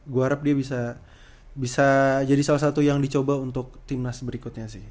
gua harap dia bisa jadi salah satu yang dicoba untuk tim nas berikutnya sih